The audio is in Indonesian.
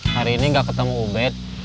hari ini nggak ketemu ubed